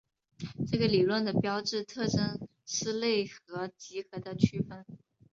这个理论的标志特征是类和集合的区分。